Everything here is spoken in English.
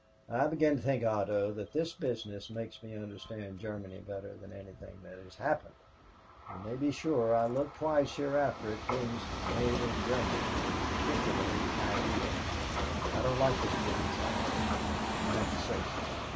I begin to think, Otto, that this business makes me understand Germany better than anything that has happened. You may be sure I'll look twice hereafter at things made in Germany, particularly ideas. I don't like this business, Otto, and I have to say so."